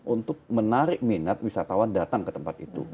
untuk menarik minat wisatawan datang ke tempat itu